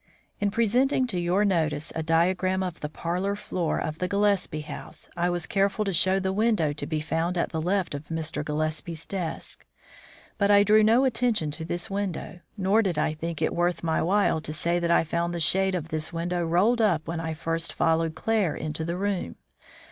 In presenting to your notice a diagram of the parlour floor of the Gillespie house, I was careful to show the window to be found at the left of Mr. Gillespie's desk. But I drew no attention to this window, nor did I think it worth my while to say that I found the shade of this window rolled up when I first followed Claire into the room.